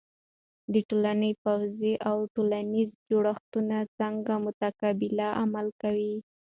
د ټولنې پوځی او ټولنیزې جوړښتونه څنګه متقابل عمل کوي؟